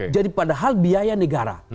jadi padahal biaya negara